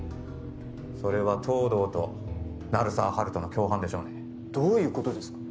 それは東堂と鳴沢温人の共犯でしょうねどういうことですか？